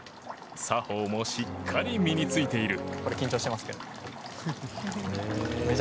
作法もしっかり身に着いている。